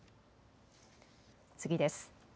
次です。